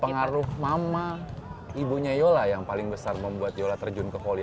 pengaruh mama ibunya yola yang paling besar membuat yola terjun ke volley